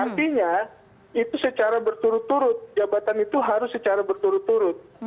artinya itu secara berturut turut jabatan itu harus secara berturut turut